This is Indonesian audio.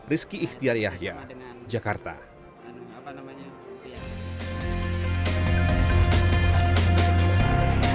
rizky ikhtiar yahya jakarta